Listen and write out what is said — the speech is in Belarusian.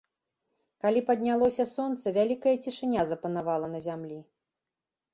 Калі паднялося сонца, вялікая цішыня запанавала на зямлі.